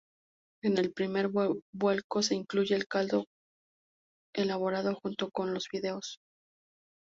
En el primer vuelco se incluye el caldo elaborado junto con los fideos.